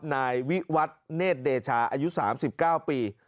นายวิวัตเนธเดชาอายุ๓๙ปี